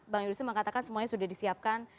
bang yuli mengatakan semuanya sudah disiapkan